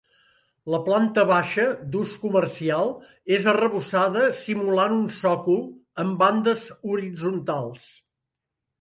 La planta baixa, d'ús comercial, és arrebossada simulant un sòcol, amb bandes horitzontals.